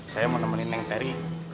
saya mau nemenin yang teri